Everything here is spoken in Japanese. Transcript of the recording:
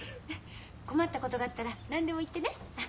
困ったことがあったら何でも言ってね。